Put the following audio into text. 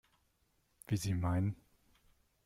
Wie Sie meinen.